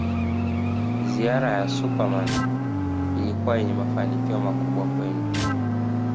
Ziara ya Super Man ilikuwa yenye mafanikio makubwa kwenye